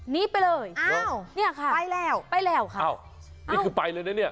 นี้ไปเลยอ้าวเนี่ยค่ะไปแล้วไปแล้วค่ะอ้าวนี่คือไปเลยนะเนี่ย